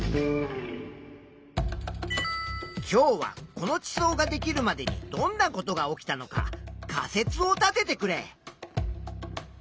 今日はこの地層ができるまでにどんなことが起きたのか仮説を立ててくれ。